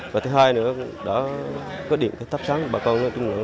và thứ hai nữa là có điện thấp sáng bà con